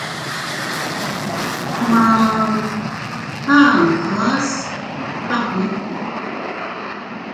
Man a aʼas kaʼa.